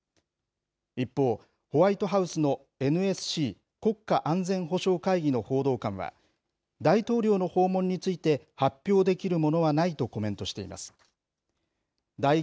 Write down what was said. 一方、ホワイトハウスのＮＳＣ・国家安全保障会議の報道官は、大統領の訪問について発表できるものはないとコメントしています。